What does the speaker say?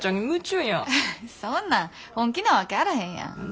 フッそんなん本気なわけあらへんやん。